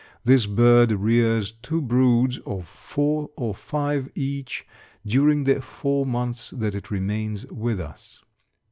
This bird rears two broods of four or five each during the four months that it remains with us.